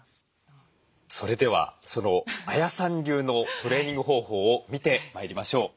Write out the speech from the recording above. それではそのＡＹＡさん流のトレーニング方法を見てまいりましょう。